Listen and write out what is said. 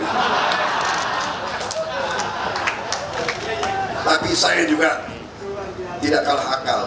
tapi saya juga tidak kalah akal